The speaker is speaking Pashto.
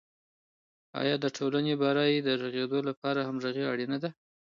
آیا د ټولني برایې د رغیدو لپاره همغږي اړینه ده؟